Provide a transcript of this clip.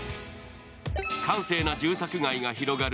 閑静な住宅街が広がる